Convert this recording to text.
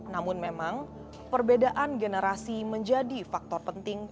namun memang perbedaan generasi menjadi faktor penting